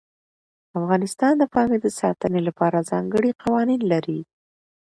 افغانستان د پامیر د ساتنې لپاره ځانګړي قوانین لري.